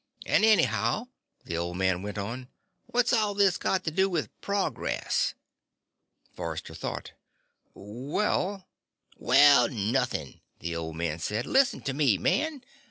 "And anyhow," the old man went on, "what's all this got to do with progress?" Forrester thought. "Well " "Well, nothing," the old man said. "Listen to me, man.